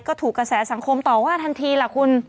ก็ถูกกระแสสังคมต่อว่าทันทีล่ะคุณ